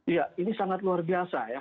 iya ini sangat luar biasa ya